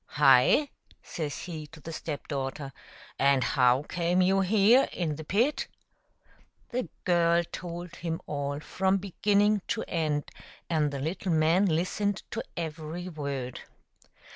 " Hi !" says he to the step daughter, " and how came you here in the pit?" The girl told him all from beginning to end, and the little man listened to every word.